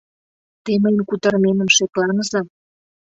Те мыйын кутырымем шекланыза!